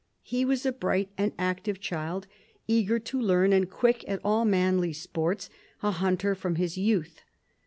He was a bright and active child, eager to learn and quick at all manly sports, a hunter from his youth.